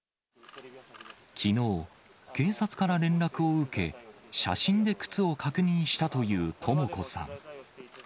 きのう、警察から連絡を受け、写真で靴を確認したというとも子さん。